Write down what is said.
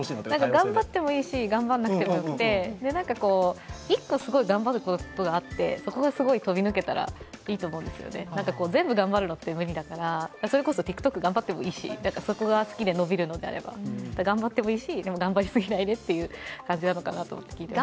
頑張ってもいいし頑張らなくてもいいし、１個すごく頑張ることがあって、そこがすごく飛び抜けたらいいし全部頑張るのって無理だからそれこそＴｉｋＴｏｋ頑張るのもいいしそこが好きで伸びるのであれば頑張ってもいいし頑張りすぎないでと思いました。